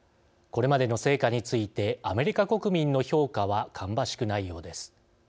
これまでの成果についてアメリカ国民の評価は芳しくないようです。